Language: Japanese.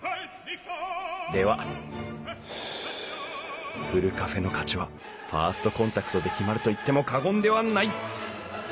ではふるカフェの価値はファーストコンタクトで決まると言っても過言ではない。